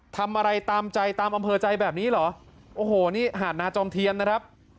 ทำอะไรตามใจตามอำเภอใจแบบนี้เหรอโอ้โหนี่หาดนาจอมเทียนนะครับ